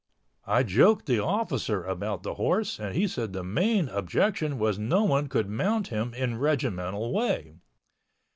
I joked the officer about the horse and he said the main objection was no one could mount him in regimental way.